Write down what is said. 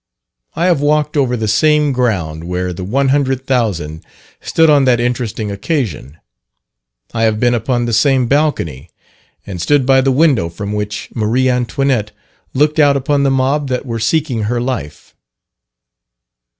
I have walked over the same ground where the one hundred thousand stood on that interesting occasion. I have been upon the same balcony, and stood by the window from which Maria Antoinette looked out upon the mob that were seeking her life.